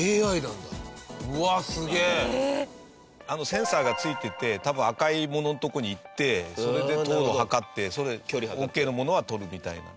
センサーが付いていて多分赤いもののとこに行ってそれで糖度を測ってオッケーのものはとるみたいな。